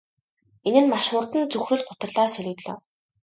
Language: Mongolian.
Энэ нь маш хурдан цөхрөл гутралаар солигдлоо.